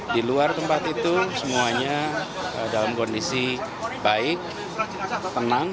di luar tempat itu semuanya dalam kondisi baik tenang